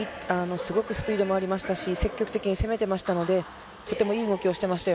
すごくスピードもありましたし、積極的に攻めてましたので、とてもいい動きをしていましたよ